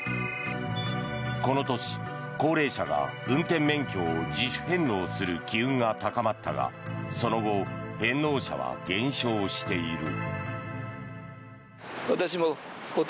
この年、高齢者が運転免許を自主返納する機運が高まったがその後、返納者は減少している。